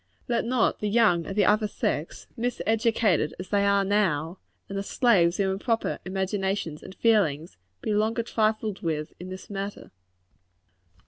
Let not the young of the other sex, miseducated as they now are, and the slaves of improper imaginations and feelings, be longer trifled with in this matter.